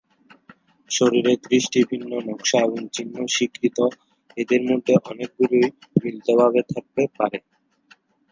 শরীরে ত্রিশটি ভিন্ন নকশা এবং চিহ্ন স্বীকৃত, এদের মধ্যে অনেকগুলোই মিলিত ভাবে থাকতে পারে।